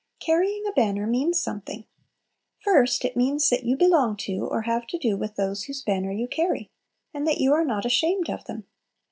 Carrying a banner means something. First, it means that you belong to or have to do with those whose banner you carry, and that you are not ashamed of them.